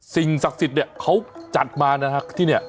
สิ่งศักดิ์สิทธิ์เนี่ยเขาจัดมานะครับที่เนี่ย